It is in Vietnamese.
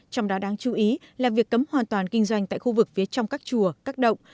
trong đó đáng chú ý là việc cấm hoàn toàn kinh doanh tại khu vực phía trong các chùa các động